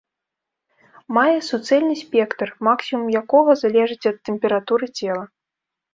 Мае суцэльны спектр, максімум якога залежыць ад тэмпературы цела.